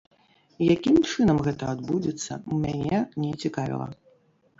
Якім чынам гэта адбудзецца, мяне не цікавіла.